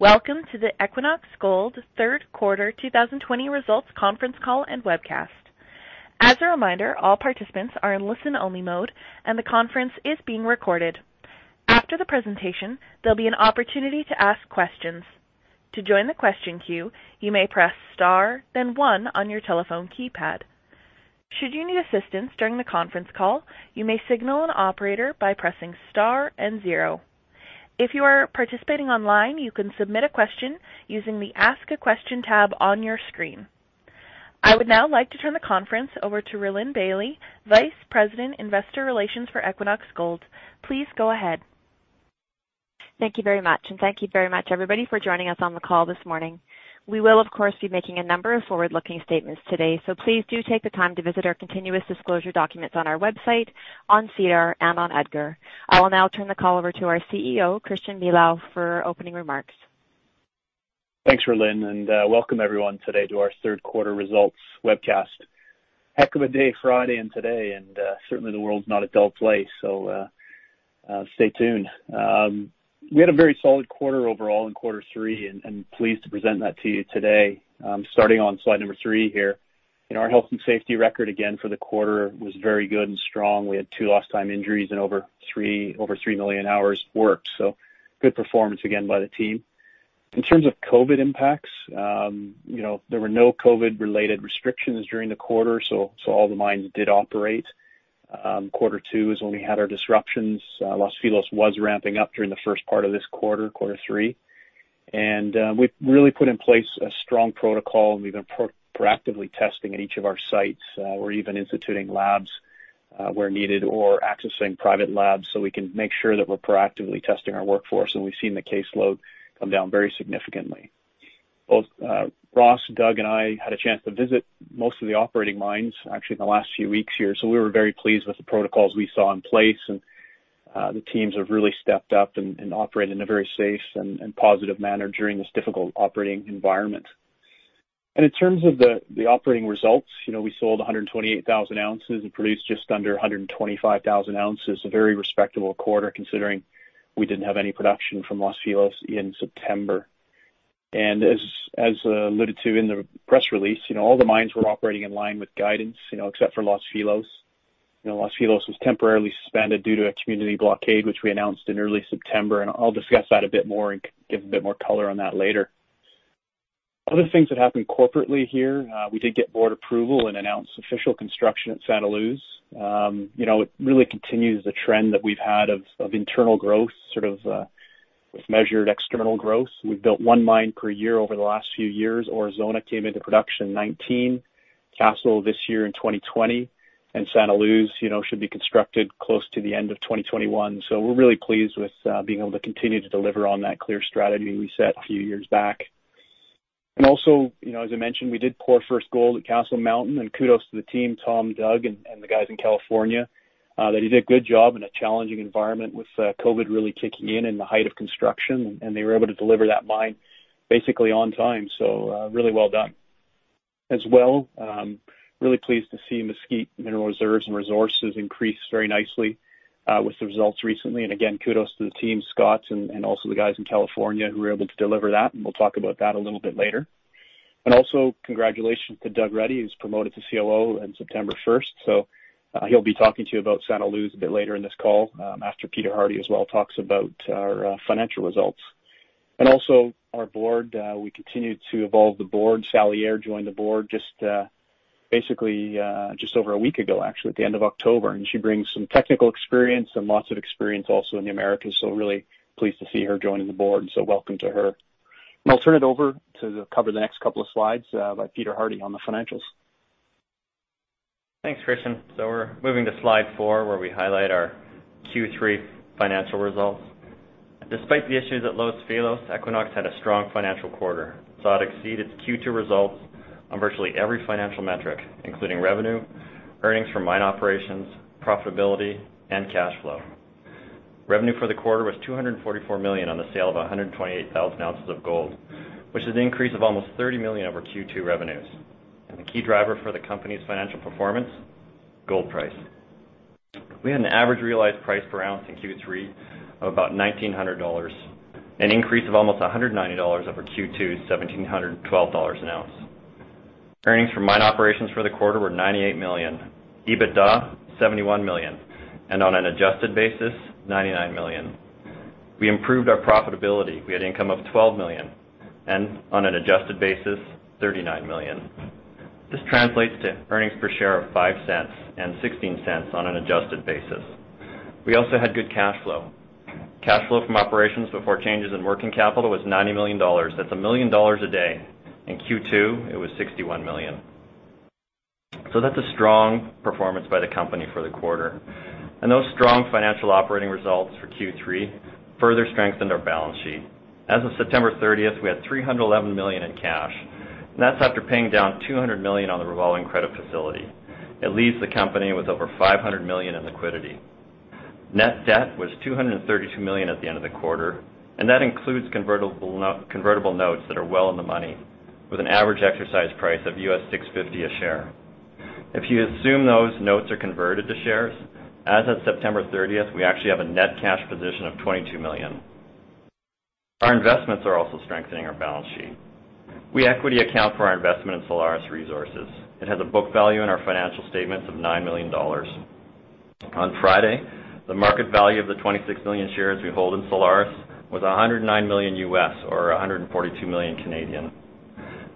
Welcome to the Equinox Gold third quarter 2020 results conference call and webcast. As a reminder, all participants are in listen-only mode and the conference is being recorded. After the presentation, there'll be an opportunity to ask questions. To join the question queue, you may press star then one on your telephone keypad. Should you need assistance during the conference call, you may signal an operator by pressing star and zero. If you are participating online, you can submit a question using the Ask a Question tab on your screen. I would now like to turn the conference over to Rhylin Bailie, Vice President, Investor Relations for Equinox Gold. Please go ahead. Thank you very much, and thank you very much everybody for joining us on the call this morning. We will, of course, be making a number of forward-looking statements today. Please do take the time to visit our continuous disclosure documents on our website, on SEDAR and on EDGAR. I will now turn the call over to our CEO, Christian Milau, for opening remarks. Thanks, Rhylin. Welcome everyone today to our third quarter results webcast. Heck of a day, Friday and today, certainly the world's not a dull place, stay tuned. We had a very solid quarter overall in quarter three pleased to present that to you today. Starting on slide number three here. Our health and safety record, again, for the quarter was very good and strong. We had two lost time injuries in over 3 million hours worked, good performance again by the team. In terms of COVID impacts, there were no COVID-related restrictions during the quarter, all the mines did operate. Quarter two is when we had our disruptions. Los Filos was ramping up during the first part of this quarter, quarter three. We've really put in place a strong protocol, we've been proactively testing at each of our sites. We're even instituting labs, where needed, or accessing private labs so we can make sure that we're proactively testing our workforce. We've seen the caseload come down very significantly. Both Ross, Doug, and I had a chance to visit most of the operating mines actually in the last few weeks here, so we were very pleased with the protocols we saw in place. The teams have really stepped up and operate in a very safe and positive manner during this difficult operating environment. In terms of the operating results, we sold 128,000 oz and produced just under 125,000 oz, a very respectable quarter considering we didn't have any production from Los Filos in September. As alluded to in the press release, all the mines were operating in line with guidance, except for Los Filos. Los Filos was temporarily suspended due to a community blockade, which we announced in early September, and I'll discuss that a bit more and give a bit more color on that later. Other things that happened corporately here, we did get Board approval and announced official construction at Santa Luz. It really continues the trend that we've had of internal growth, sort of with measured external growth. We've built one mine per year over the last few years. Aurizona came into production 2019, Castle this year in 2020, and Santa Luz should be constructed close to the end of 2021. We're really pleased with being able to continue to deliver on that clear strategy we set a few years back. As I mentioned, we did pour first gold at Castle Mountain. Kudos to the team, Tom, Doug, and the guys in California, that they did a good job in a challenging environment with COVID really kicking in in the height of construction. They were able to deliver that mine basically on time. Really well done. As well, really pleased to see Mesquite mineral reserves and resources increase very nicely, with the results recently. Kudos to the team, Scott, and also the guys in California who were able to deliver that. We'll talk about that a little bit later. Congratulations to Doug Reddy, who's promoted to COO in September 1st. He'll be talking to you about Santa Luz a bit later in this call, after Peter Hardie as well talks about our financial results. Also our Board, we continue to evolve the Board. Sally Eyre joined the Board just basically, just over a week ago, actually, at the end of October. She brings some technical experience and lots of experience also in the Americas, so really pleased to see her joining the Board, and so welcome to her. I'll turn it over to cover the next couple of slides by Peter Hardie on the financials. Thanks, Christian. We're moving to slide four, where we highlight our Q3 financial results. Despite the issues at Los Filos, Equinox had a strong financial quarter. It exceeded its Q2 results on virtually every financial metric, including revenue, earnings from mine operations, profitability, and cash flow. Revenue for the quarter was $244 million on the sale of 128,000 oz of gold, which is an increase of almost $30 million over Q2 revenues. The key driver for the company's financial performance, gold price. We had an average realized price per ounce in Q3 of about $1,900, an increase of almost $190 over Q2's $1,712 an ounce. Earnings from mine operations for the quarter were $98 million, EBITDA $71 million, and on an adjusted basis, $99 million. We improved our profitability. We had income of $12 million and on an adjusted basis, $39 million. This translates to earnings per share of $0.05 and $0.16 on an adjusted basis. We also had good cash flow. Cash flow from operations before changes in working capital was $90 million. That's $1 million a day. In Q2, it was $61 million. That's a strong performance by the company for the quarter. Those strong financial operating results for Q3 further strengthened our balance sheet. As of September 30th, we had $311 million in cash, and that's after paying down $200 million on the revolving credit facility. It leaves the company with over $500 million of liquidity. Net debt was $232 million at the end of the quarter. That includes convertible notes that are well in the money with an average exercise price of $650 a share. If you assume those notes are converted to shares, as of September 30th, we actually have a net cash position of $22 million. Our investments are also strengthening our balance sheet. We equity account for our investment in Solaris Resources. It has a book value in our financial statements of $9 million. On Friday, the market value of the 26 million shares we hold in Solaris was $109 million, or 142 million.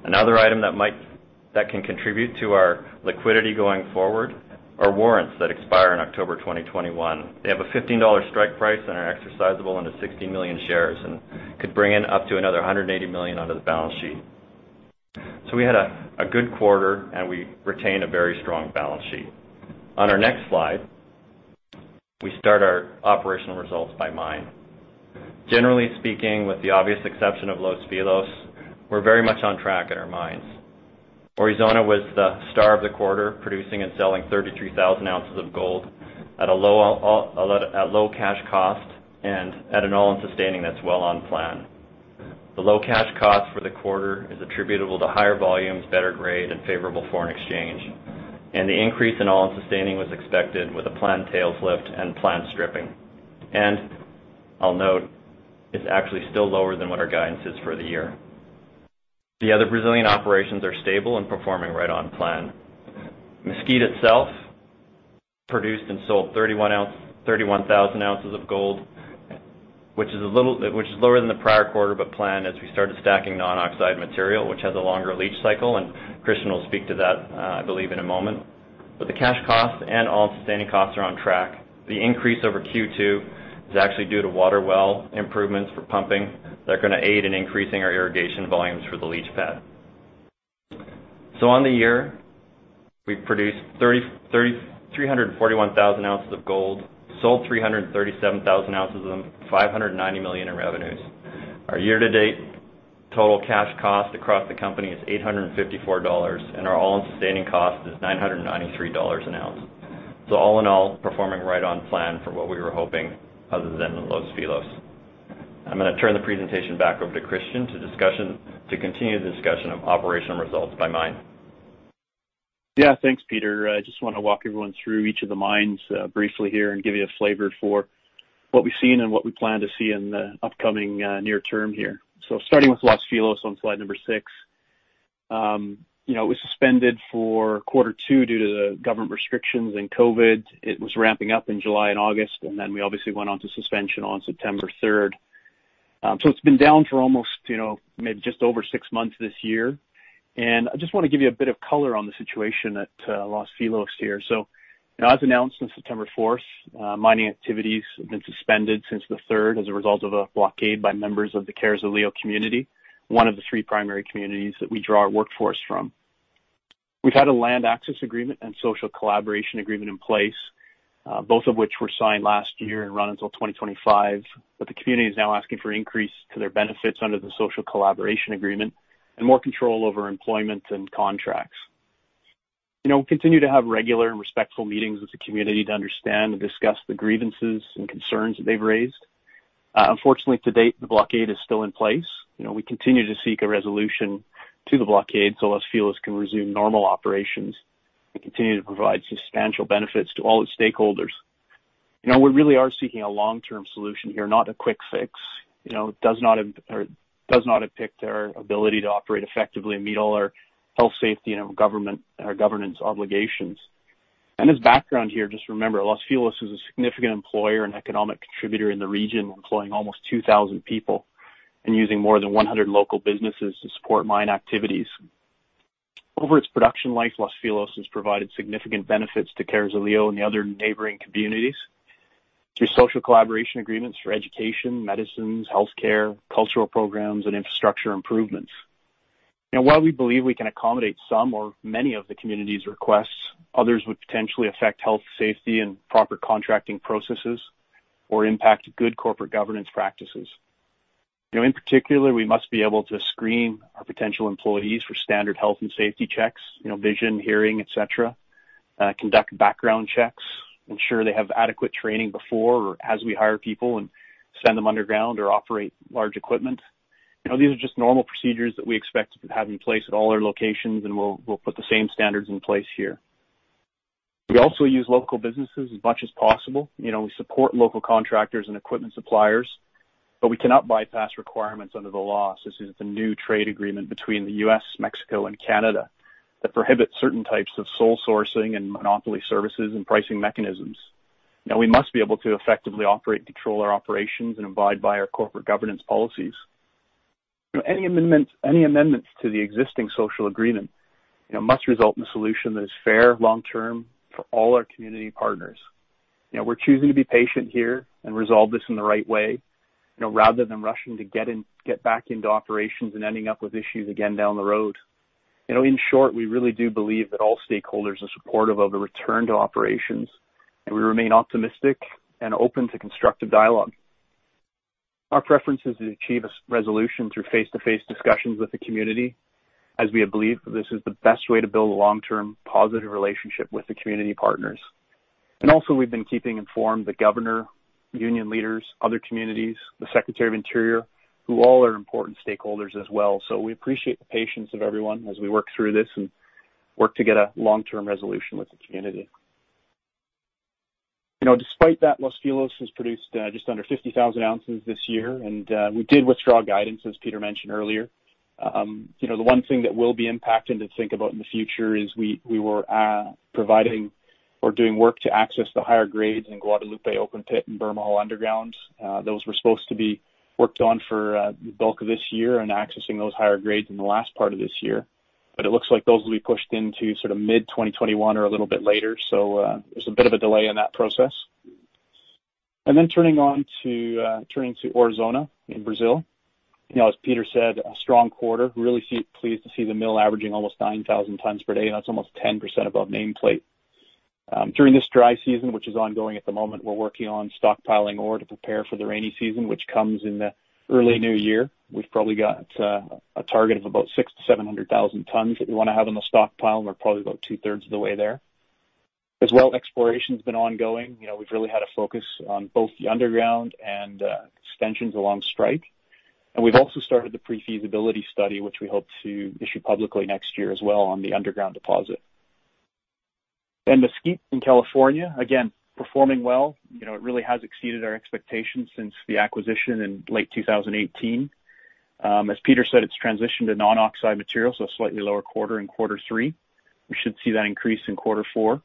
Another item that can contribute to our liquidity going forward are warrants that expire in October 2021. They have a $15 strike price and are exercisable into 16 million shares and could bring in up to another $180 million under the balance sheet. We had a good quarter, and we retained a very strong balance sheet. On our next slide, we start our operational results by mine. Generally speaking, with the obvious exception of Los Filos, we're very much on track at our mines. Aurizona was the star of the quarter, producing and selling 33,000 oz of gold at low cash cost and at an all-in sustaining that's well on plan. The low cash cost for the quarter is attributable to higher volumes, better grade, and favorable foreign exchange. The increase in all-in sustaining was expected with a planned tails lift and planned stripping. I'll note it's actually still lower than what our guidance is for the year. The other Brazilian operations are stable and performing right on plan. Mesquite itself produced and sold 31,000 oz of gold, which is lower than the prior quarter, but planned as we started stacking non-oxide material, which has a longer leach cycle. Christian will speak to that, I believe, in a moment. The cash cost and all-sustaining costs are on track. The increase over Q2 is actually due to water well improvements for pumping that are going to aid in increasing our irrigation volumes for the leach pad. On the year, we produced 341,000 oz of gold, sold 337,000 oz of them, $590 million in revenues. Our year-to-date total cash cost across the company is $854 an ounce. Our all-in sustaining cost is $993 an ounce. All in all, performing right on plan for what we were hoping, other than Los Filos. I'm going to turn the presentation back over to Christian to continue the discussion of operational results by mine. Yeah, thanks, Peter. I just want to walk everyone through each of the mines briefly here and give you a flavor for what we've seen and what we plan to see in the upcoming near term here. Starting with Los Filos on slide number six. It was suspended for quarter two due to the government restrictions and COVID. It was ramping up in July and August, we obviously went on to suspension on September 3rd. It's been down for almost maybe just over six months this year. I just want to give you a bit of color on the situation at Los Filos here. As announced since September 4th, mining activities have been suspended since the 3rd as a result of a blockade by members of the Carrizalillo community, one of the three primary communities that we draw our workforce from. We've had a land access agreement and social collaboration agreement in place, both of which were signed last year and run until 2025. The community is now asking for increase to their benefits under the social collaboration agreement and more control over employment and contracts. We continue to have regular and respectful meetings with the community to understand and discuss the grievances and concerns that they've raised. Unfortunately, to date, the blockade is still in place. We continue to seek a resolution to the blockade so Los Filos can resume normal operations and continue to provide substantial benefits to all its stakeholders. We really are seeking a long-term solution here, not a quick fix. It does not impact our ability to operate effectively and meet all our health, safety, and our governance obligations. As background here, just remember, Los Filos is a significant employer and economic contributor in the region, employing almost 2,000 people and using more than 100 local businesses to support mine activities. Over its production life, Los Filos has provided significant benefits to Carrizalillo and the other neighboring communities through social collaboration agreements for education, medicines, healthcare, cultural programs, and infrastructure improvements. While we believe we can accommodate some or many of the community's requests, others would potentially affect health, safety, and proper contracting processes, or impact good corporate governance practices. In particular, we must be able to screen our potential employees for standard health and safety checks, vision, hearing, et cetera, conduct background checks, ensure they have adequate training before or as we hire people and send them underground or operate large equipment. These are just normal procedures that we expect to have in place at all our locations, and we'll put the same standards in place here. We also use local businesses as much as possible. We support local contractors and equipment suppliers, but we cannot bypass requirements under the law such as the new trade agreement between the U.S., Mexico, and Canada that prohibits certain types of sole sourcing and monopoly services and pricing mechanisms. We must be able to effectively operate and control our operations and abide by our corporate governance policies. Any amendments to the existing social agreement must result in a solution that is fair long term for all our community partners. We're choosing to be patient here and resolve this in the right way, rather than rushing to get back into operations and ending up with issues again down the road. In short, we really do believe that all stakeholders are supportive of a return to operations, and we remain optimistic and open to constructive dialogue. Our preference is to achieve a resolution through face-to-face discussions with the community, as we believe this is the best way to build a long-term, positive relationship with the community partners. We've been keeping informed the governor, union leaders, other communities, the Secretary of the Interior, who all are important stakeholders as well. We appreciate the patience of everyone as we work through this and work to get a long-term resolution with the community. Despite that, Los Filos has produced just under 50,000 oz this year, and we did withdraw guidance, as Peter mentioned earlier. The one thing that will be impacted and to think about in the future is we were providing or doing work to access the higher grades in Guadalupe open pit and Bermejal underground. Those were supposed to be worked on for the bulk of this year and accessing those higher grades in the last part of this year. It looks like those will be pushed into mid-2021 or a little bit later. There's a bit of a delay in that process. Turning to Aurizona in Brazil. As Peter said, a strong quarter, really pleased to see the mill averaging almost 9,000 tonnes per day. That's almost 10% above nameplate. During this dry season, which is ongoing at the moment, we're working on stockpiling ore to prepare for the rainy season, which comes in the early new year. We've probably got a target of about 600,000 tonnes-700,000 tonnes that we want to have in the stockpile, and we're probably about 2/3 of the way there. Exploration's been ongoing. We've really had a focus on both the underground and extensions along strike. We've also started the pre-feasibility study, which we hope to issue publicly next year as well on the underground deposit. Mesquite in California, again, performing well. It really has exceeded our expectations since the acquisition in late 2018. As Peter said, it's transitioned to non-oxide material, so a slightly lower quarter in quarter three. We should see that increase in quarter four.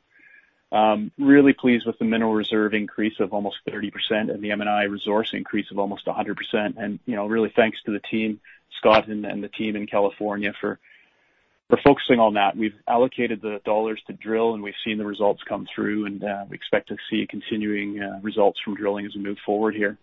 Really pleased with the mineral reserve increase of almost 30% and the M&I resource increase of almost 100%. Really thanks to the team, Scott, and the team in California for focusing on that. We've allocated the dollars to drill, and we've seen the results come through, and we expect to see continuing results from drilling as we move forward here.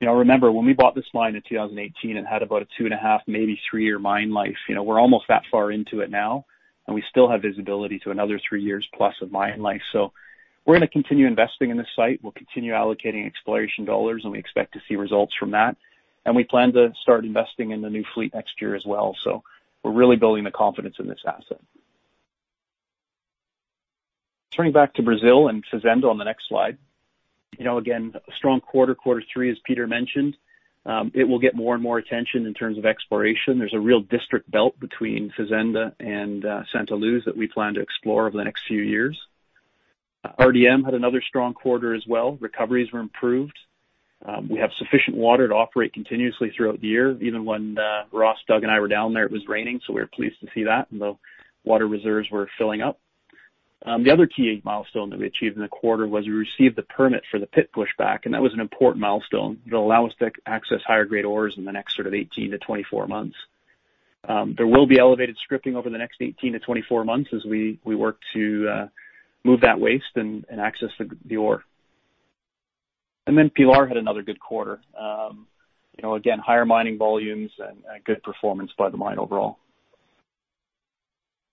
Remember, when we bought this mine in 2018, it had about a 2.5, maybe three-year mine life. We're almost that far into it now, and we still have visibility to another 3+ years of mine life. We're going to continue investing in this site. We'll continue allocating exploration dollars, and we expect to see results from that. We plan to start investing in the new fleet next year as well. We're really building the confidence in this asset. Turning back to Brazil and Fazenda on the next slide. Again, a strong quarter three, as Peter mentioned. It will get more and more attention in terms of exploration. There's a real district belt between Fazenda and Santa Luz that we plan to explore over the next few years. RDM had another strong quarter as well. Recoveries were improved. We have sufficient water to operate continuously throughout the year. Even when Ross, Doug, and I were down there, it was raining. So we were pleased to see that, and the water reserves were filling up. The other key milestone that we achieved in the quarter was we received the permit for the pit pushback. That was an important milestone. It'll allow us to access higher-grade ores in the next 18-24 months. There will be elevated stripping over the next 18-24 months as we work to move that waste and access the ore. Pilar had another good quarter, again, higher mining volumes and good performance by the mine overall.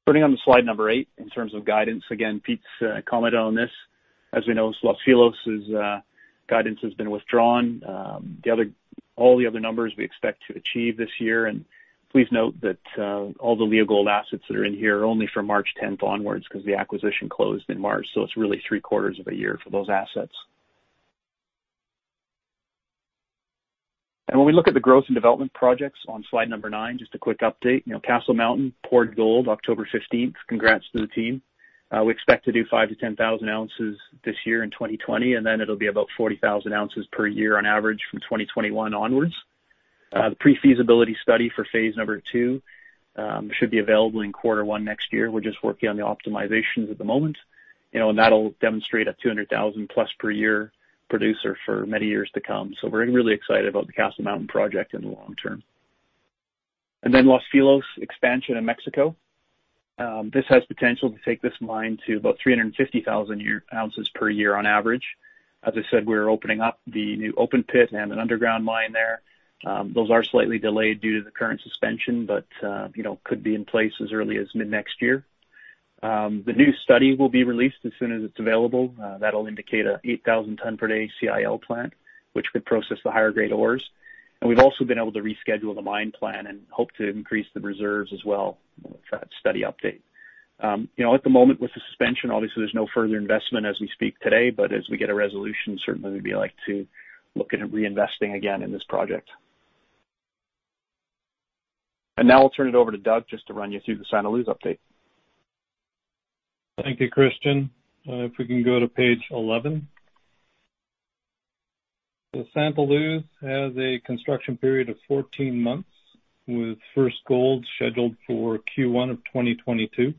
Turning on to slide number eight in terms of guidance. Again, Pete's commented on this. As we know, Los Filos' guidance has been withdrawn. All the other numbers we expect to achieve this year. Please note that all the Leagold assets that are in here are only from March 10th onwards because the acquisition closed in March, so it's really three quarters of a year for those assets. When we look at the growth and development projects on slide number nine, just a quick update. Castle Mountain, poured gold October 15th. Congrats to the team. We expect to do 5,000 oz-10,000 oz this year in 2020, and then it'll be about 40,000 oz per year on average from 2021 onwards. The pre-feasibility study for phase number two should be available in quarter one next year. We're just working on the optimizations at the moment. That'll demonstrate a 200,000+ oz per year producer for many years to come. We're really excited about the Castle Mountain project in the long term. Los Filos expansion in Mexico. This has potential to take this mine to about 350,000 oz per year on average. As I said, we're opening up the new open pit and an underground mine there. Those are slightly delayed due to the current suspension but could be in place as early as mid-next year. The new study will be released as soon as it's available. That'll indicate an 8,000-tonne per day CIL plant, which could process the higher-grade ores. We've also been able to reschedule the mine plan and hope to increase the reserves as well with that study update. At the moment with the suspension, obviously, there's no further investment as we speak today, but as we get a resolution, certainly we'd like to look at reinvesting again in this project. Now I'll turn it over to Doug just to run you through the Santa Luz update. Thank you, Christian. If we can go to page 11. The Santa Luz has a construction period of 14 months, with first gold scheduled for Q1 of 2022.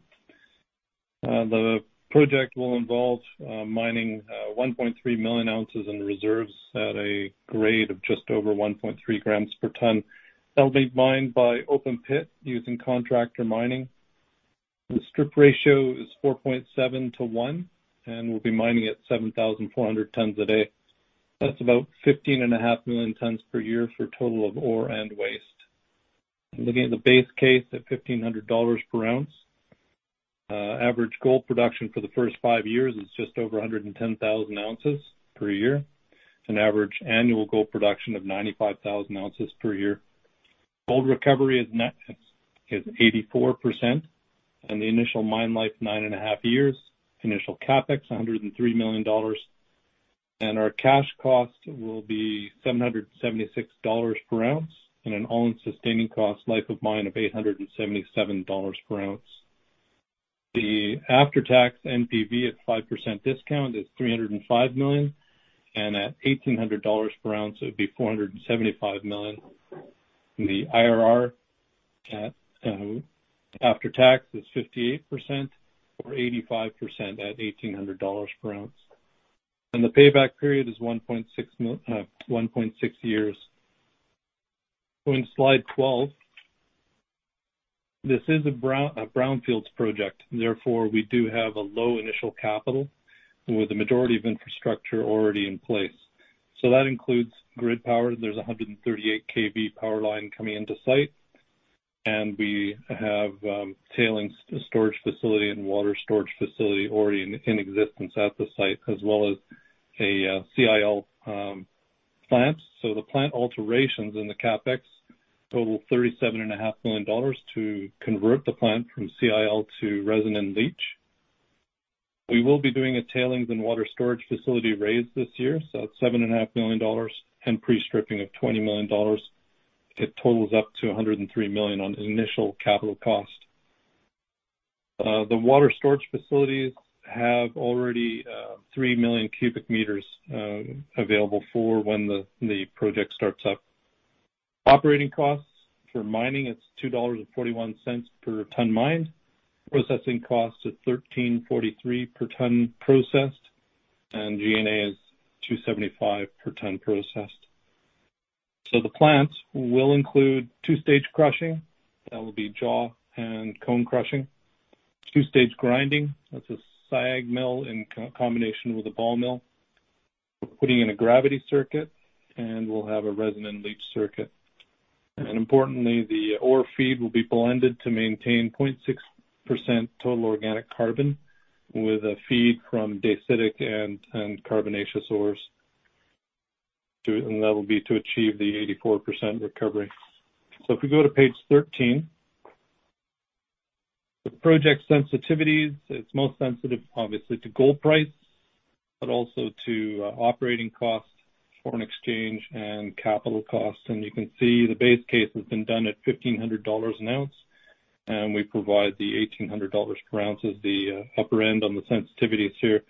The project will involve mining 1.3 million ounces in reserves at a grade of just over 1.3 g per tonne. That'll be mined by open pit using contractor mining. The strip ratio is 4.7:1, and we'll be mining at 7,400 tonnes a day. That's about 15.5 million tonnes per year for a total of ore and waste. Looking at the base case at $1,500 per ounce, average gold production for the first five years is just over 110,000 oz per year. It's an average annual gold production of 95,000 oz per year. Gold recovery is 84%, and the initial mine life, 9.5 years. Initial CapEx, $103 million. Our cash cost will be $776 per ounce and an all-in sustaining cost life of mine of $877 per ounce. The after-tax NPV at 5% discount is $305 million. At $1,800 per ounce, it would be $475 million. The IRR after tax is 58%, or 85% at $1,800 per ounce. The payback period is 1.6 years. Going to slide 12. This is a brownfields project, therefore, we do have a low initial capital with the majority of infrastructure already in place. That includes grid power. There's 138 kV power line coming into site, and we have tailings storage facility and water storage facility already in existence at the site, as well as a CIL plant. The plant alterations in the CapEx total $37.5 million to convert the plant from CIL to resin-in-leach. We will be doing a tailings and water storage facility raise this year. That's $7.5 million and pre-stripping of $20 million, it totals up to $103 million on initial capital cost. The water storage facilities have already 3 million cubic meters available for when the project starts up. Operating costs for mining, it's $2.41 per ton mined. Processing costs is $13.43 per tonne processed. G&A is $2.75 per tonne processed. The plants will include two-stage crushing. That will be jaw and cone crushing. Two-stage grinding. That's a SAG mill in combination with a ball mill. We're putting in a gravity circuit, and we'll have a resin-in-leach circuit. Importantly, the ore feed will be blended to maintain 0.6% total organic carbon with a feed from dacitic and carbonaceous source. That will be to achieve the 84% recovery. If we go to page 13. The project sensitivities. It's most sensitive, obviously, to gold price, but also to operating costs, foreign exchange, and capital costs. You can see the base case has been done at $1,500 an ounce, we provide the $1,800 per ounce as the upper end on the sensitivities here,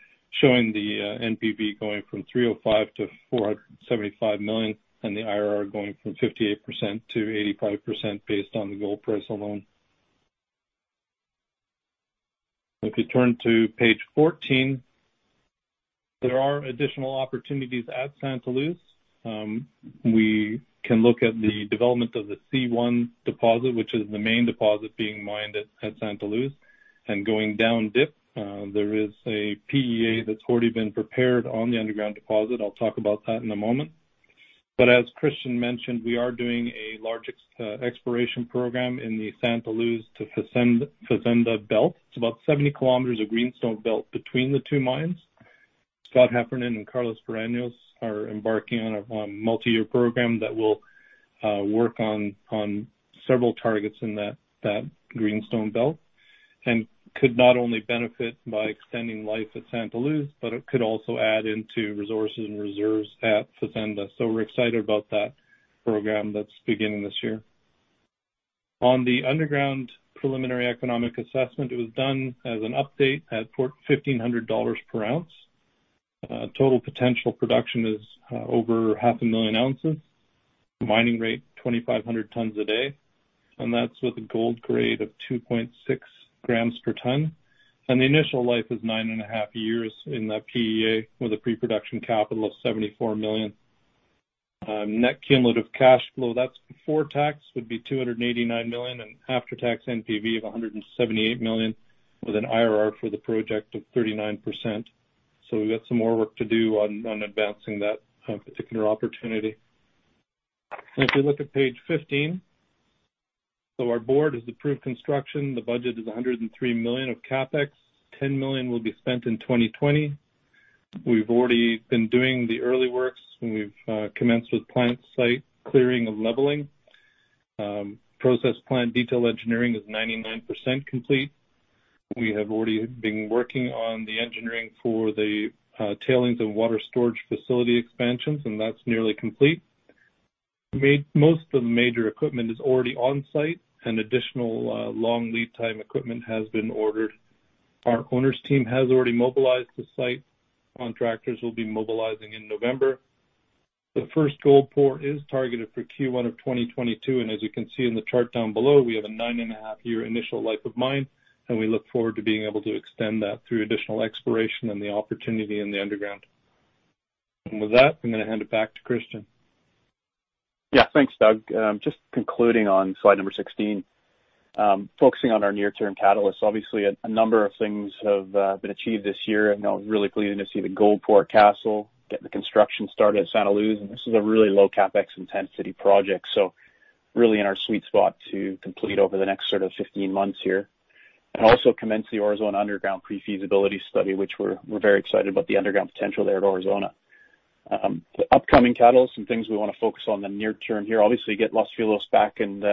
showing the NPV going from $305 million-$475 million, and the IRR going from 58%-85% based on the gold price alone. If you turn to page 14, there are additional opportunities at Santa Luz. We can look at the development of the C1 deposit, which is the main deposit being mined at Santa Luz. Going down dip, there is a PEA that's already been prepared on the underground deposit. I'll talk about that in a moment. As Christian mentioned, we are doing a large exploration program in the Santa Luz to Fazenda belt. It's about 70 km of greenstone belt between the two mines. Scott Heffernan and Carlos Paranhos are embarking on a multi-year program that will work on several targets in that greenstone belt, and could not only benefit by extending life at Santa Luz, but it could also add into resources and reserves at Fazenda. We're excited about that program that's beginning this year. On the underground preliminary economic assessment, it was done as an update at $1,500 per ounce. Total potential production is over 500,000 oz. Mining rate 2,500 tonnes a day, and that's with a gold grade of 2.6 g per tonne. The initial life is 9.5 years in that PEA with a pre-production capital of $74 million. Net cumulative cash flow, that's before tax, would be $289 million and after-tax NPV of $178 million, with an IRR for the project of 39%. We've got some more work to do on advancing that particular opportunity. If you look at page 15, our Board has approved construction. The budget is $103 million of CapEx, $10 million will be spent in 2020. We've already been doing the early works, and we've commenced with plant site clearing and leveling. Process plant detail engineering is 99% complete. We have already been working on the engineering for the tailings and water storage facility expansions, and that's nearly complete. Most of the major equipment is already on-site, and additional long lead time equipment has been ordered. Our owners team has already mobilized the site. Contractors will be mobilizing in November. The first gold pour is targeted for Q1 of 2022. As you can see in the chart down below, we have a 9.5-year initial life of mine. We look forward to being able to extend that through additional exploration and the opportunity in the underground. With that, I'm going to hand it back to Christian. Yeah, thanks, Doug. Just concluding on slide number 16. Focusing on our near-term catalysts. Obviously, a number of things have been achieved this year. Really pleasing to see the gold pour at Castle, getting the construction started at Santa Luz, and this is a really low CapEx intensity project. Really in our sweet spot to complete over the next sort of 15 months here. Also commence the Aurizona underground pre-feasibility study, which we're very excited about the underground potential there at Aurizona. The upcoming catalysts and things we want to focus on the near term here. Obviously, get Los Filos back and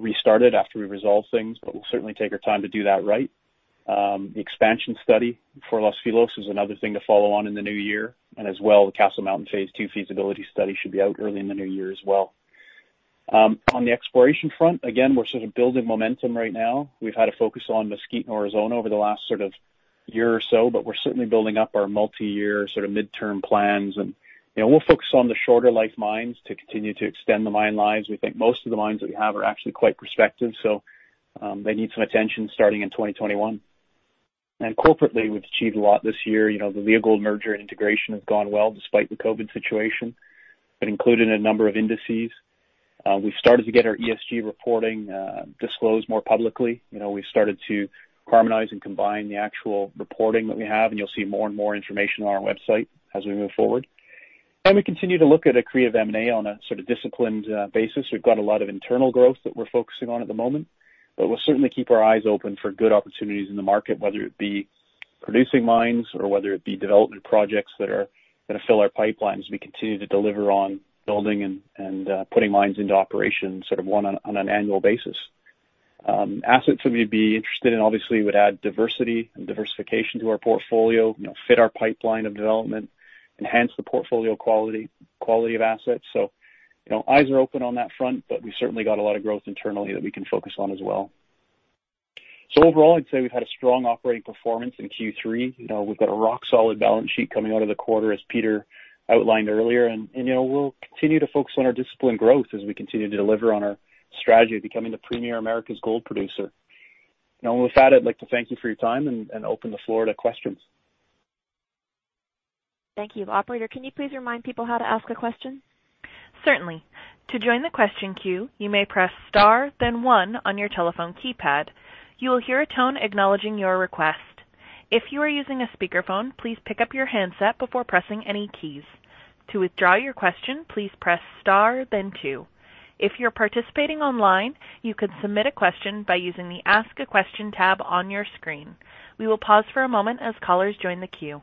restarted after we resolve things, but we'll certainly take our time to do that right. The expansion study for Los Filos is another thing to follow on in the new year, as well, the Castle Mountain phase two feasibility study should be out early in the new year as well. On the exploration front, again, we're sort of building momentum right now. We've had a focus on Mesquite, Aurizona over the last year or so, but we're certainly building up our multi-year, midterm plans. We'll focus on the shorter-life mines to continue to extend the mine lives. We think most of the mines that we have are actually quite prospective, so they need some attention starting in 2021. Corporately, we've achieved a lot this year. The Leagold merger and integration have gone well despite the COVID situation. It included a number of indices. We've started to get our ESG reporting disclosed more publicly. We've started to harmonize and combine the actual reporting that we have, and you'll see more and more information on our website as we move forward. We continue to look at accretive M&A on a disciplined basis. We've got a lot of internal growth that we're focusing on at the moment, but we'll certainly keep our eyes open for good opportunities in the market, whether it be producing mines or whether it be development projects that are going to fill our pipeline as we continue to deliver on building and putting mines into operation on an annual basis. Assets that we'd be interested in obviously would add diversity and diversification to our portfolio, fit our pipeline of development, enhance the portfolio quality of assets. Eyes are open on that front, but we've certainly got a lot of growth internally that we can focus on as well. Overall, I'd say we've had a strong operating performance in Q3. We've got a rock-solid balance sheet coming out of the quarter, as Peter outlined earlier. We'll continue to focus on our disciplined growth as we continue to deliver on our strategy of becoming the premier Americas gold producer. With that, I'd like to thank you for your time and open the floor to questions. Thank you. Operator, can you please remind people how to ask a question? Certainly. To join the question queue, you may press star then one on your telephone keypad. You will hear a tone acknowledging your request. If you are using a speakerphone, please pick up your handset before pressing any keys. To withdraw your question, please press star then two. If you're participating online, you can submit a question by using the Ask a Question tab on your screen. We will pause for a moment as callers join the queue.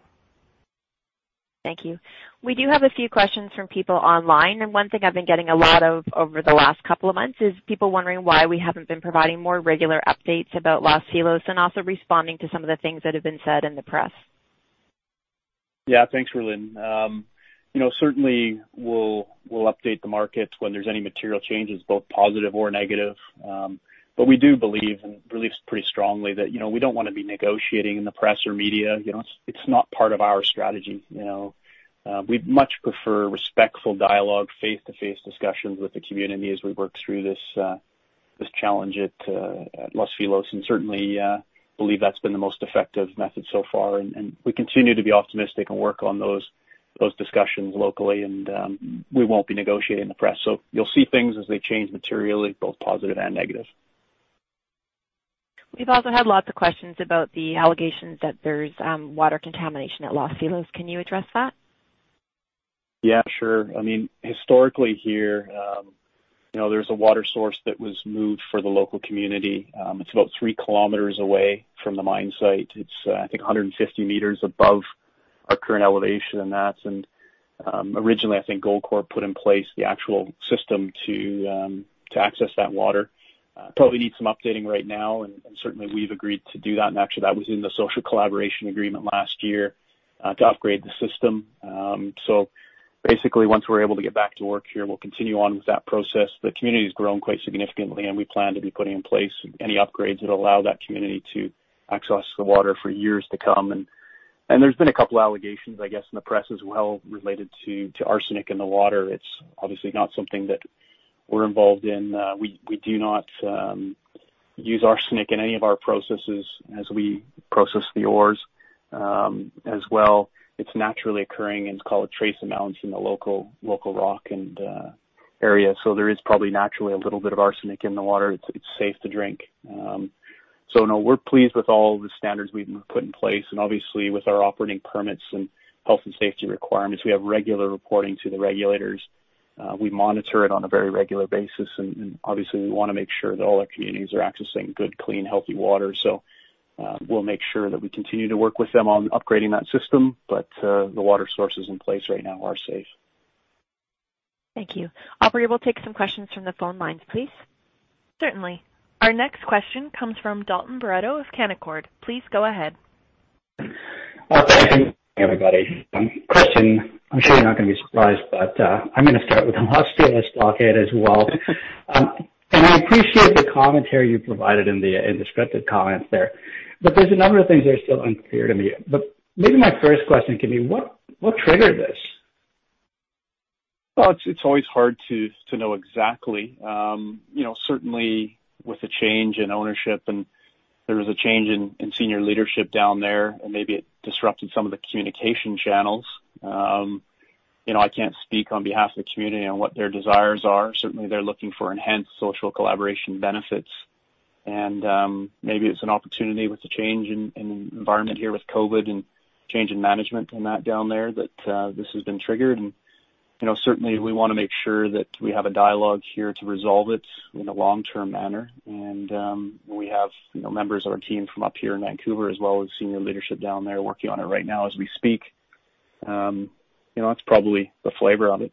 Thank you. We do have a few questions from people online, and one thing I've been getting a lot of over the last couple of months is people wondering why we haven't been providing more regular updates about Los Filos and also responding to some of the things that have been said in the press. Yeah. Thanks, Rhylin. Certainly, we'll update the market when there's any material changes, both positive or negative. We do believe, and believe this pretty strongly, that we don't want to be negotiating in the press or media. It's not part of our strategy. We'd much prefer respectful dialogue, face-to-face discussions with the community as we work through this challenge at Los Filos, and certainly believe that's been the most effective method so far. We continue to be optimistic and work on those discussions locally, and we won't be negotiating in the press. You'll see things as they change materially, both positive and negative. We've also had lots of questions about the allegations that there's water contamination at Los Filos. Can you address that? Yeah, sure. Historically here, there was a water source that was moved for the local community. It's about 3 km away from the mine site. It's, I think, 150 m above our current elevation. That's originally, I think, Goldcorp put in place the actual system to access that water. Probably needs some updating right now, and certainly, we've agreed to do that. Actually, that was in the social collaboration agreement last year, to upgrade the system. Basically, once we're able to get back to work here, we'll continue on with that process. The community's grown quite significantly, and we plan to be putting in place any upgrades that allow that community to access the water for years to come. There's been a couple allegations, I guess, in the press as well related to arsenic in the water. It's obviously not something that we're involved in. We do not use arsenic in any of our processes as we process the ores. As well, it's naturally occurring in what's called trace amounts in the local rock and area. There is probably naturally a little bit of arsenic in the water. It's safe to drink. No, we're pleased with all the standards we've put in place. Obviously, with our operating permits and health and safety requirements, we have regular reporting to the regulators. We monitor it on a very regular basis. Obviously, we want to make sure that all our communities are accessing good, clean, healthy water. We'll make sure that we continue to work with them on upgrading that system, but the water sources in place right now are safe. Thank you. Operator, we'll take some questions from the phone lines, please. Certainly. Our next question comes from Dalton Baretto of Canaccord. Please go ahead. Hi, thank you. Everybody. Question, I am sure you are not going to be surprised, but I am going to start with Los Filos docket as well. I appreciate the commentary you provided in the scripted comments there, but there is a number of things that are still unclear to me. Maybe my first question can be, what triggered this? Well, it's always hard to know exactly. Certainly, with the change in ownership, there was a change in senior leadership down there. Maybe it disrupted some of the communication channels. I can't speak on behalf of the community on what their desires are. Certainly, they're looking for enhanced social collaboration benefits. Maybe it's an opportunity with the change in environment here with COVID and change in management and that down there, that this has been triggered. Certainly, we want to make sure that we have a dialogue here to resolve it in a long-term manner. We have members of our team from up here in Vancouver, as well as senior leadership down there working on it right now as we speak. That's probably the flavor of it.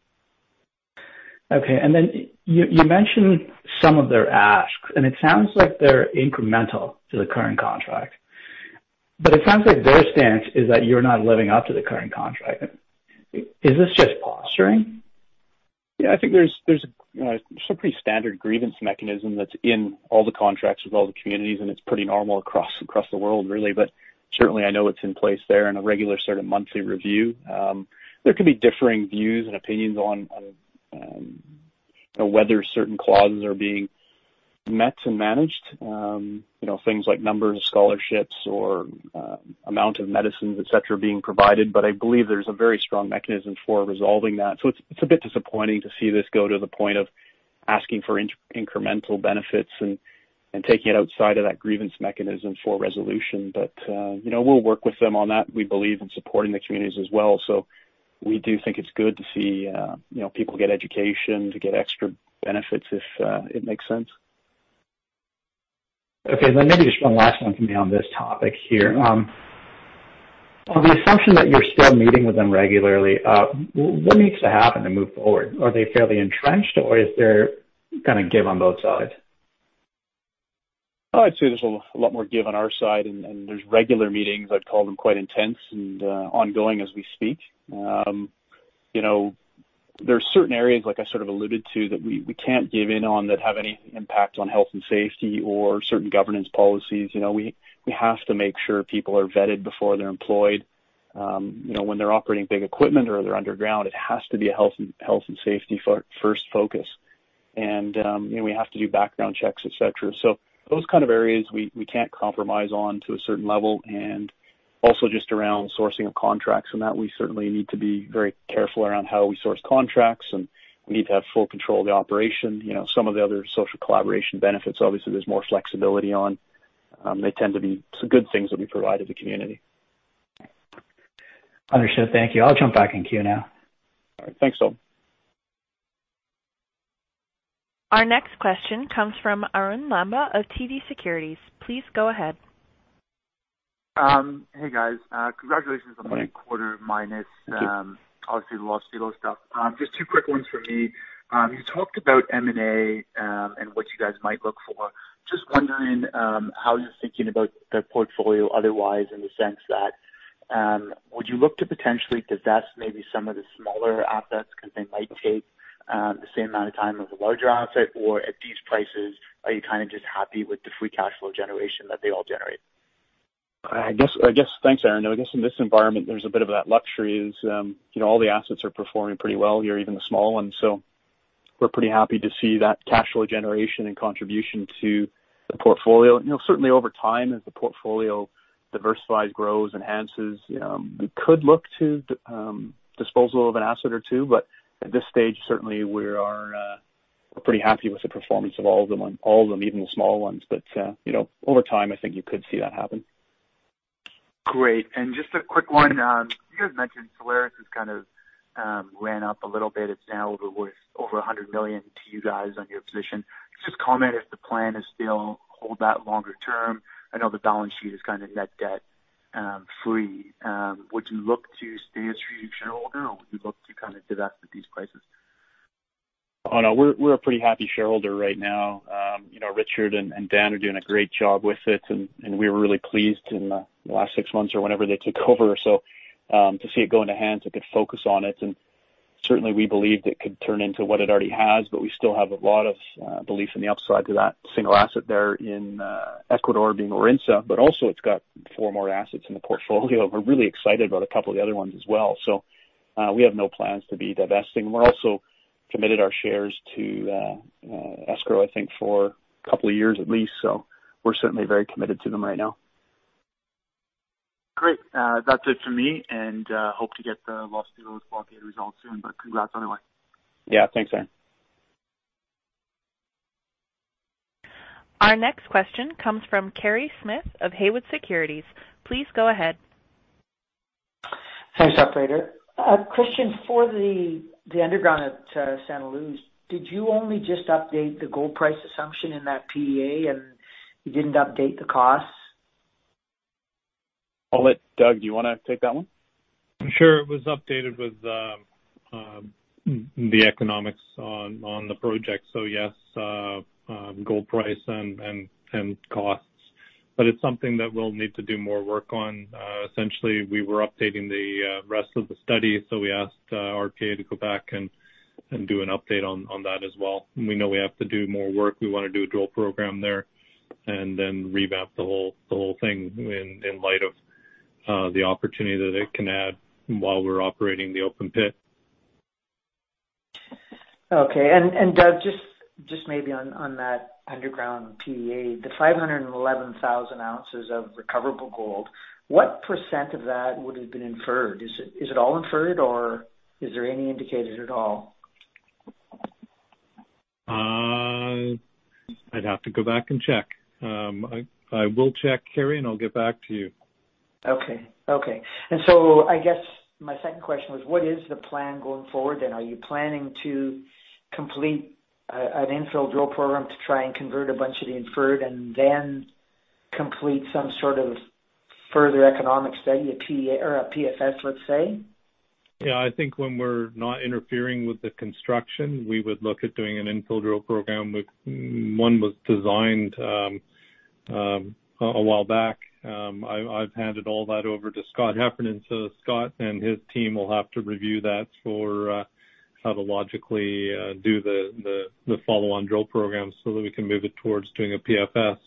Okay. You mentioned some of their asks, and it sounds like they're incremental to the current contract, but it sounds like their stance is that you're not living up to the current contract. Is this just posturing? I think there's a pretty standard grievance mechanism that's in all the contracts with all the communities. It's pretty normal across the world, really, but certainly I know it's in place there in a regular sort of monthly review. There could be differing views and opinions on whether certain clauses are being met and managed. Things like numbers of scholarships or amount of medicines, et cetera, being provided. I believe there's a very strong mechanism for resolving that. It's a bit disappointing to see this go to the point of asking for incremental benefits and taking it outside of that grievance mechanism for resolution. We'll work with them on that. We believe in supporting the communities as well, so we do think it's good to see people get education, to get extra benefits if it makes sense. Okay, maybe just one last one from me on this topic here. On the assumption that you're still meeting with them regularly, what needs to happen to move forward? Are they fairly entrenched or is there give on both sides? I'd say there's a lot more give on our side, and there's regular meetings. I'd call them quite intense and ongoing as we speak. There are certain areas, like I sort of alluded to, that we can't give in on that have any impact on health and safety or certain governance policies. We have to make sure people are vetted before they're employed. When they're operating big equipment or they're underground, it has to be a health and safety first focus. We have to do background checks, et cetera. Those kind of areas we can't compromise on to a certain level. Also just around sourcing of contracts and that we certainly need to be very careful around how we source contracts, and we need to have full control of the operation. Some of the other social collaboration benefits, obviously, there's more flexibility on. They tend to be some good things that we provide the community. Understood. Thank you. I'll jump back in queue now. All right. Thanks, Dalton. Our next question comes from Arun Lamba of TD Securities. Please go ahead. Hey, guys. Congratulations on the quarter. Obviously the Los Filos stuff. Just two quick ones from me. You talked about M&A, and what you guys might look for. Just wondering, how you're thinking about the portfolio otherwise in the sense that, would you look to potentially divest maybe some of the smaller assets because they might take the same amount of time as a larger asset? At these prices, are you just happy with the free cash flow generation that they all generate? Thanks, Arun. I guess in this environment, there's a bit of that luxury is all the assets are performing pretty well here, even the small ones. We're pretty happy to see that cash flow generation and contribution to the portfolio. Certainly over time, as the portfolio diversifies, grows, enhances, we could look to disposal of an asset or two. But at this stage, certainly we're pretty happy with the performance of all of them, even the small ones. Over time, I think you could see that happen. Great. Just a quick one. You guys mentioned Solaris has kind of ran up a little bit. It's now worth over $100 million to you guys on your position. Just comment if the plan is still hold that longer term. I know the balance sheet is net debt free. Would you look to stay a strategic shareholder, or would you look to kind of do that with these prices? Oh, no. We're a pretty happy shareholder right now. Richard and Dan are doing a great job with it, and we were really pleased in the last six months or whenever they took over. To see it go into hands that could focus on it, and certainly we believed it could turn into what it already has, but we still have a lot of belief in the upside to that single asset there in Ecuador being Warintza. Also, it's got four more assets in the portfolio, and we're really excited about a couple of the other ones as well. We have no plans to be divesting. We also committed our shares to escrow, I think, for a couple of years at least, so we're certainly very committed to them right now. Great. That's it for me. Hope to get the Los Filos qualified results soon. Congrats on it. Yeah. Thanks, Arun. Our next question comes from Kerry Smith of Haywood Securities. Please go ahead. Thanks, operator. Christian, for the underground at Santa Luz, did you only just update the gold price assumption in that PEA, and you didn't update the costs? I'll let Doug, do you want to take that one? Sure. It was updated with the economics on the project. Yes, gold price and costs. It's something that we'll need to do more work on. Essentially, we were updating the rest of the study, so we asked RPA to go back and do an update on that as well. We know we have to do more work. We want to do a drill program there, and then revamp the whole thing in light of the opportunity that it can add while we're operating the open pit. Okay. Doug, just maybe on that underground PEA, the 511,000 oz of recoverable gold, what percent of that would have been inferred? Is it all inferred, or is there any indicated at all? I'd have to go back and check. I will check, Kerry, and I'll get back to you. Okay. I guess my second question was, what is the plan going forward then? Are you planning to complete an infill drill program to try and convert a bunch of the inferred, and then complete some sort of further economic study, a PFS, let's say? Yeah, I think when we're not interfering with the construction, we would look at doing an infill drill program, which one was designed a while back. I've handed all that over to Scott Heffernan, Scott and his team will have to review that for how to logically do the follow-on drill program so that we can move it towards doing a PFS.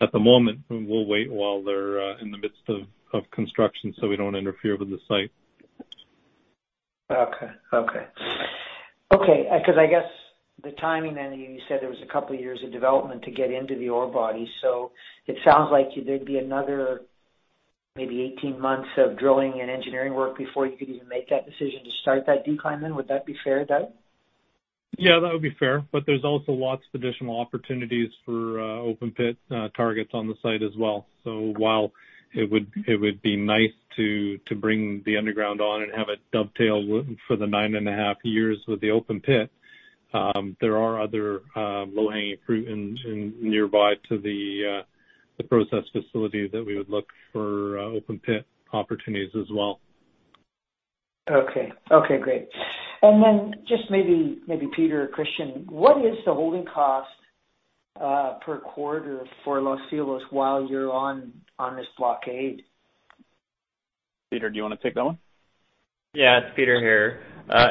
At the moment, we'll wait while they're in the midst of construction so we don't interfere with the site. Okay. I guess the timing then, you said there was a couple of years of development to get into the ore body. It sounds like there'd be another maybe 18 months of drilling and engineering work before you could even make that decision to start that decline then. Would that be fair, Doug? Yeah, that would be fair. There's also lots of additional opportunities for open pit targets on the site as well. While it would be nice to bring the underground on and have it dovetail for the 9.5 years with the open pit, there are other low-hanging fruit nearby to the process facility that we would look for open pit opportunities as well. Okay, great. Then just maybe Peter or Christian, what is the holding cost per quarter for Los Filos while you're on this blockade? Peter, do you want to take that one? Yeah, it's Peter here.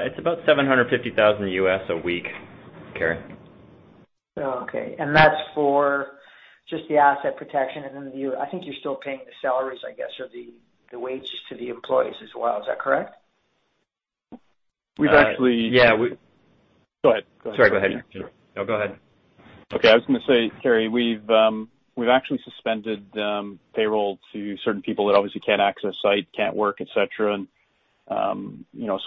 It's about $750,000 a week, Kerry. Okay. That's for just the asset protection and then I think you're still paying the salaries, I guess, or the wages to the employees as well. Is that correct? We've actually- Yeah, we- Go ahead. Sorry, go ahead. No, go ahead. Okay. I was going to say, Kerry, we've actually suspended payroll to certain people that obviously can't access site, can't work, et cetera.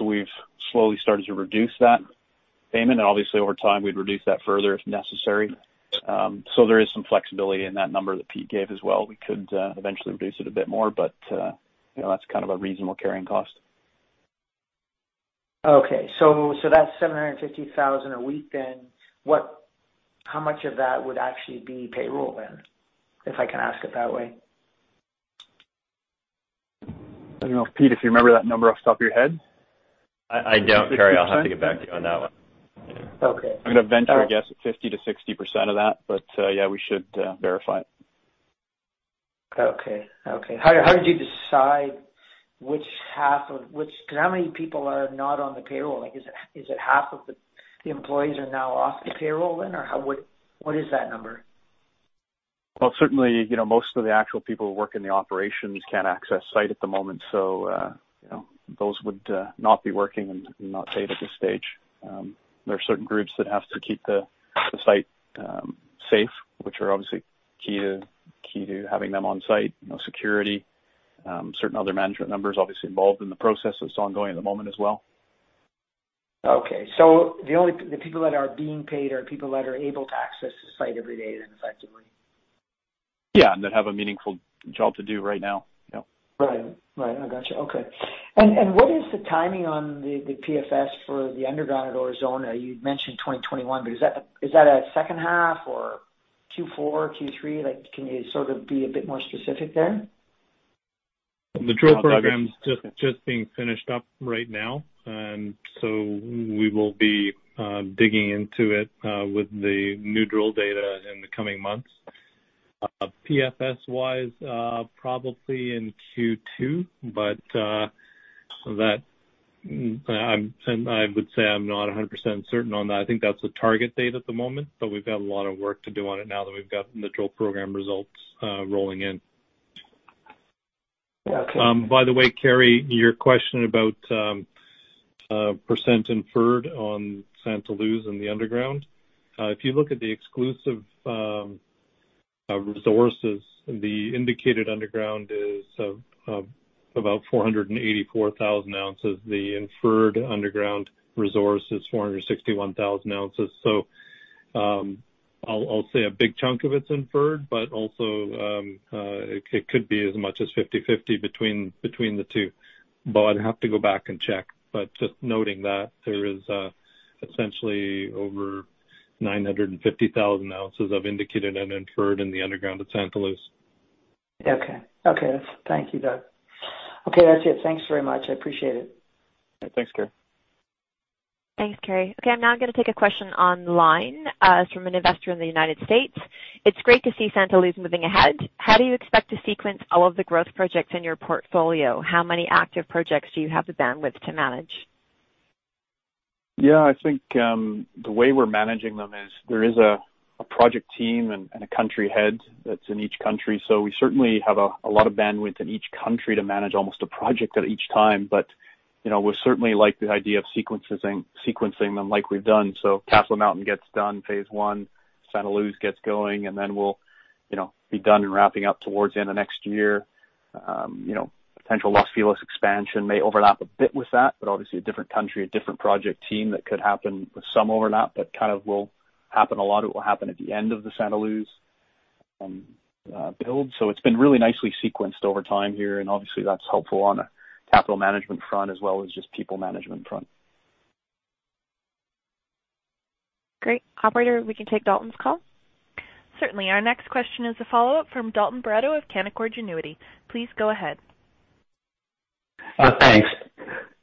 We've slowly started to reduce that payment. Obviously, over time, we'd reduce that further if necessary. There is some flexibility in that number that Pete gave as well. We could eventually reduce it a bit more, but that's a reasonable carrying cost. Okay. That's $750,000 a week then. How much of that would actually be payroll then? If I can ask it that way. I don't know, Pete, if you remember that number off the top of your head? I don't, Kerry. I'll have to get back to you on that one. Okay. I'm going to venture a guess at 50%-60% of that, but yeah, we should verify it. Okay. How many people are not on the payroll? Is it half of the employees are now off the payroll then? Or what is that number? Well, certainly, most of the actual people who work in the operations can't access site at the moment, so those would not be working and not paid at this stage. There are certain groups that have to keep the site safe, which are obviously key to having them on site. Security, certain other management members obviously involved in the process that's ongoing at the moment as well. Okay. The people that are being paid are people that are able to access the site every day then effectively. Yeah, that have a meaningful job to do right now. Yeah. Right. I got you. Okay. What is the timing on the PFS for the underground at Aurizona? You'd mentioned 2021, is that a second half or Q4, Q3? Can you sort of be a bit more specific there? The drill program's just being finished up right now, and so we will be digging into it with the new drill data in the coming months. PFS-wise, probably in Q2, but I would say I'm not 100% certain on that. I think that's the target date at the moment, but we've got a lot of work to do on it now that we've got the drill program results rolling in. Okay. By the way, Kerry, your question about percent inferred on Santa Luz and the underground. If you look at the exclusive resources, the indicated underground is about 484,000 oz. The inferred underground resource is 461,000 oz. I'll say a big chunk of it's inferred, but also it could be as much as 50/50 between the two. I'd have to go back and check, but just noting that there is essentially over 950,000 oz of indicated and inferred in the underground at Santa Luz. Okay. Thank you, Doug. Okay, that's it. Thanks very much. I appreciate it. Thanks, Kerry. Thanks, Kerry. Okay, I'm now going to take a question online from an investor in the United States. It's great to see Santa Luz moving ahead. How do you expect to sequence all of the growth projects in your portfolio? How many active projects do you have the bandwidth to manage? Yeah, I think the way we're managing them is there is a project team and a country head that's in each country. We certainly have a lot of bandwidth in each country to manage almost a project at each time. We certainly like the idea of sequencing them like we've done. Castle Mountain gets done, phase one. Santa Luz gets going. We'll be done and wrapping up towards the end of next year. Potential Los Filos expansion may overlap a bit with that. Obviously, a different country, a different project team. That could happen with some overlap, kind of will happen a lot. It will happen at the end of the Santa Luz build. It's been really nicely sequenced over time here, obviously that's helpful on a capital management front as well as just people management front. Great. Operator, we can take Dalton's call. Certainly. Our next question is a follow-up from Dalton Baretto of Canaccord Genuity. Please go ahead. Thanks.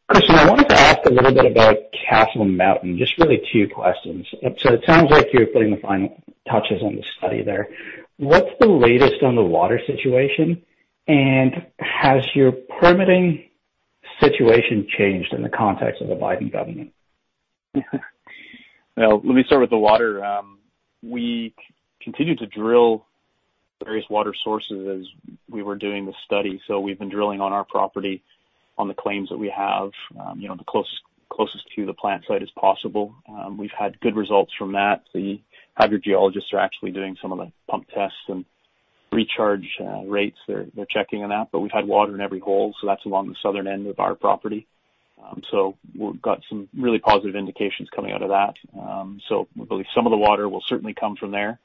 Christian, I wanted to ask a little bit about Castle Mountain, just really two questions. It sounds like you're putting the final touches on the study there. What's the latest on the water situation? Has your permitting situation changed in the context of the Biden government? Well, let me start with the water. We continued to drill various water sources as we were doing the study. We've been drilling on our property on the claims that we have, the closest to the plant site as possible. We've had good results from that. The hydrogeologists are actually doing some of the pump tests and recharge rates. They're checking on that. We've had water in every hole, so that's along the southern end of our property. We've got some really positive indications coming out of that. We believe some of the water will certainly come from there,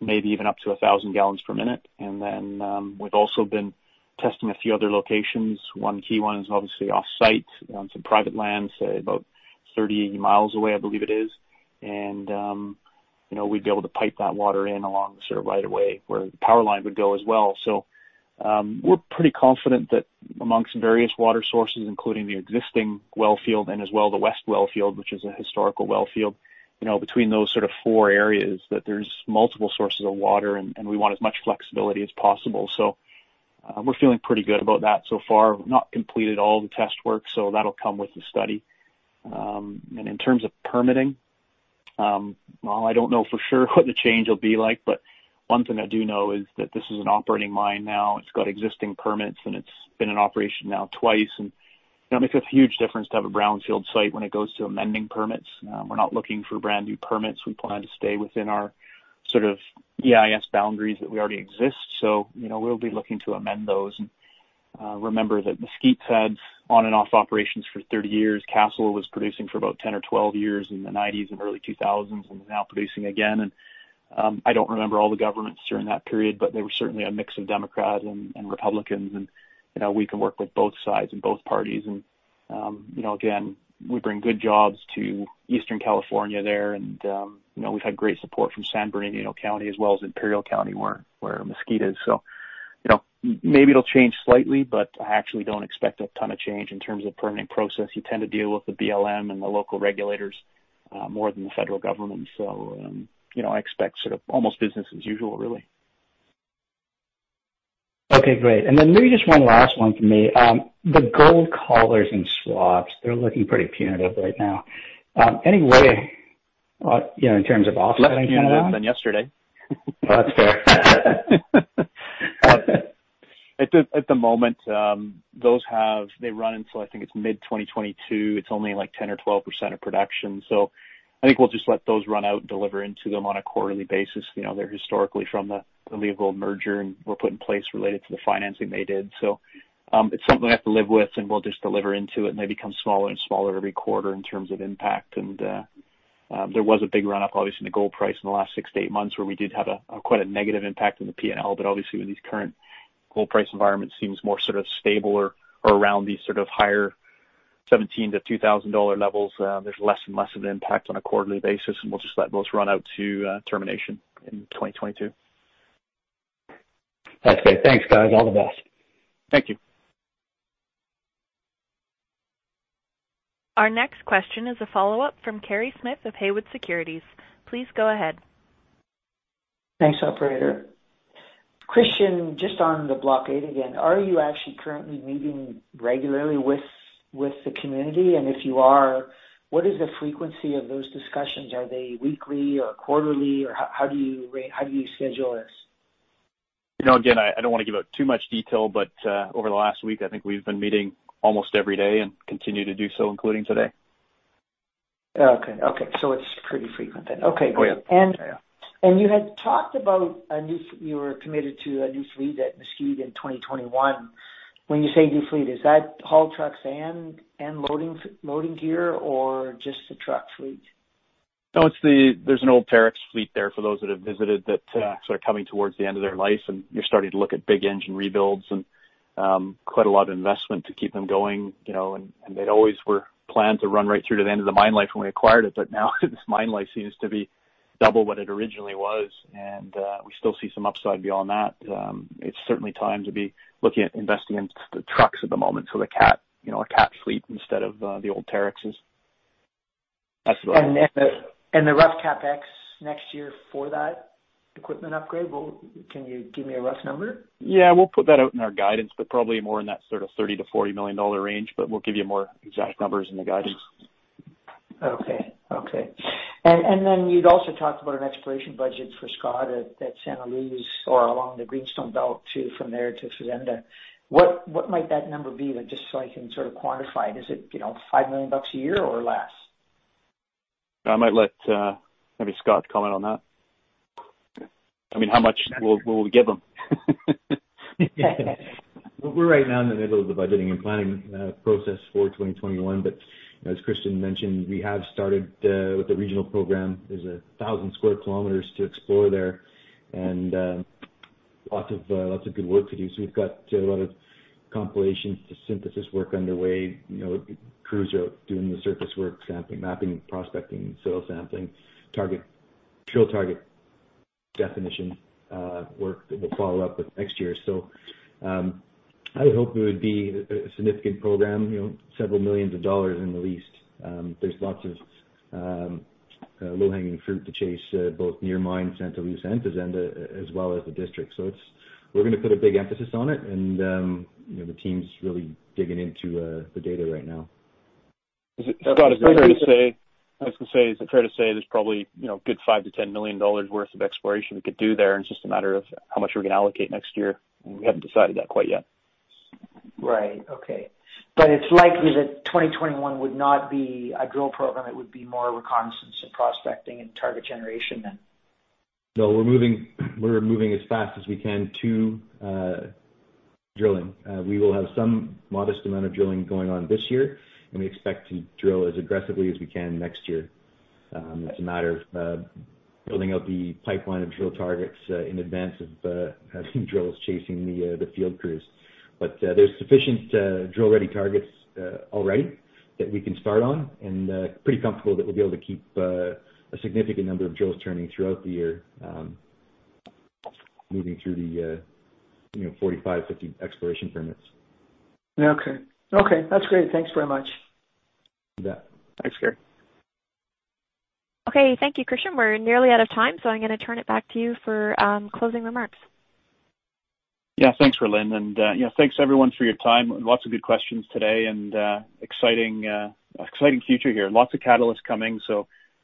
maybe even up to 1,000 gal per minute. We've also been testing a few other locations. One key one is obviously off-site, on some private land, say, about 30 mi away, I believe it is. We'd be able to pipe that water in along the sort of right of way where the power line would go as well. We're pretty confident that amongst various water sources, including the existing well field. As well the west well field, which is a historical well field. Between those sort of four areas, that there's multiple sources of water. We want as much flexibility as possible. We're feeling pretty good about that so far. We've not completed all the test work, so that'll come with the study. In terms of permitting, well, I don't know for sure what the change will be like, but one thing I do know is that this is an operating mine now. It's got existing permits, and it's been in operation now twice. That makes a huge difference to have a brownfield site when it goes to amending permits. We're not looking for brand-new permits. We plan to stay within our sort of EIS boundaries that we already exist. We'll be looking to amend those and remember that Mesquite's had on-and-off operations for 30 years. Castle was producing for about 10 or 12 years in the 1990s and early 2000s and is now producing again. I don't remember all the governments during that period, but there were certainly a mix of Democrats and Republicans. We can work with both sides and both parties. Again, we bring good jobs to Eastern California there. We've had great support from San Bernardino County as well as Imperial County, where Mesquite is. Maybe it'll change slightly, but I actually don't expect a ton of change in terms of permitting process. You tend to deal with the BLM and the local regulators more than the federal government. I expect sort of almost business as usual, really. Okay, great. Maybe just one last one from me. The gold collars and swaps, they're looking pretty punitive right now. Any way, in terms of offsetting -- Less punitive than yesterday. That's fair. At the moment, those have, they run until I think it's mid-2022. It's only like 10% or 12% of production. I think we'll just let those run out and deliver into them on a quarterly basis. They're historically from the Leagold merger, and were put in place related to the financing they did. It's something we have to live with, and we'll just deliver into it. They become smaller and smaller every quarter in terms of impact. There was a big run-up, obviously, in the gold price in the last six to eight months, where we did have quite a negative impact on the P&L. Obviously, with these current gold price environments seems more sort of stable or around these sort of higher $1,700-$2,000 levels. There's less and less of an impact on a quarterly basis, and we'll just let those run out to termination in 2022. That's great. Thanks, guys. All the best. Thank you. Our next question is a follow-up from Kerry Smith of Haywood Securities. Please go ahead. Thanks, operator. Christian, just on the blockade again. Are you actually currently meeting regularly with the community? If you are, what is the frequency of those discussions? Are they weekly or quarterly, or how do you schedule this? I don't want to give out too much detail, but, over the last week, I think we've been meeting almost every day and continue to do so, including today. Okay. It's pretty frequent then. Okay. Oh, yeah. You had talked about you were committed to a new fleet at Mesquite in 2021. When you say new fleet, is that haul trucks and loading gear, or just the truck fleet? No, there's an old Terex fleet there for those that have visited that are sort of coming towards the end of their life. You're starting to look at big engine rebuilds and quite a lot of investment to keep them going. They always were planned to run right through to the end of the mine life when we acquired it. Now this mine life seems to be double what it originally was, and we still see some upside beyond that. It's certainly time to be looking at investing in the trucks at the moment, the Cat fleet instead of the old Terexes. The rough CapEx next year for that equipment upgrade, can you give me a rough number? Yeah, we'll put that out in our guidance, but probably more in that sort of $30 million-$40 million range. We'll give you more exact numbers in the guidance. Okay. You'd also talked about an exploration budget for Scott at Santa Luz or along the Greenstone Belt too, from there to Fazenda. What might that number be, just so I can sort of quantify it? Is it $5 million a year or less? I might let maybe Scott comment on that. How much will we give him? We're right now in the middle of the budgeting and planning process for 2021. As Christian mentioned, we have started with the regional program. There's 1,000 sq km to explore there. Lots of good work to do. We've got a lot of compilations to synthesis work underway. Crews are doing the surface work, sampling, mapping, prospecting, soil sampling, drill target definition work that we'll follow up with next year. I hope it would be a significant program, several millions dollars in the least. There's lots of low-hanging fruit to chase, both near-mine, Santa Luz and Fazenda as well as the district. We're going to put a big emphasis on it and the team's really digging into the data right now. Scott, I was going to say, is it fair to say there's probably a good $5 million-$10 million worth of exploration we could do there. It's just a matter of how much we're going to allocate next year, and we haven't decided that quite yet. Right. Okay. It's likely that 2021 would not be a drill program. It would be more reconnaissance and prospecting and target generation then? No, we're moving as fast as we can to drilling. We will have some modest amount of drilling going on this year, and we expect to drill as aggressively as we can next year. It's a matter of building out the pipeline of drill targets in advance of having drills chasing the field crews. But there's sufficient drill-ready targets already that we can start on, and pretty comfortable that we'll be able to keep a significant number of drills turning throughout the year, moving through the 45, 50 exploration permits. Okay. That's great. Thanks very much. You bet. Thanks, Kerry. Okay. Thank you, Christian. We're nearly out of time. I'm going to turn it back to you for closing remarks. Thanks, Rhylin. Thanks, everyone, for your time. Lots of good questions today and exciting future here. Lots of catalysts coming,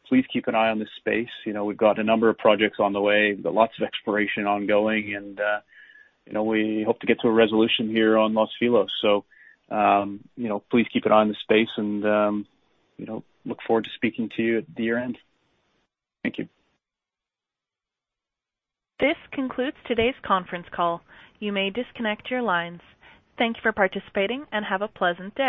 please keep an eye on this space. We've got a number of projects on the way, lots of exploration ongoing, and we hope to get to a resolution here on Los Filos. Please keep an eye on the space and look forward to speaking to you at year-end. Thank you. This concludes today's conference call. You may disconnect your lines. Thank you for participating and have a pleasant day.